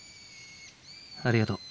ありがとう。